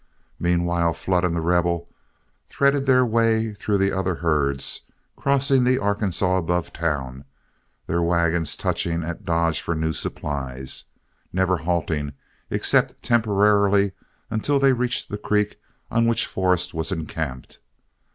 Meanwhile Flood and The Rebel threaded their way through the other herds, crossing the Arkansaw above town, their wagons touching at Dodge for new supplies, never halting except temporarily until they reached the creek on which Forrest was encamped.